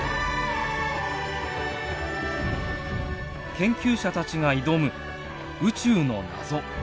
研究者たちが挑む宇宙の謎。